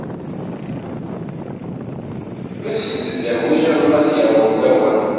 D as-d-unt-awiɣ mi di d-yaweṭ lawan.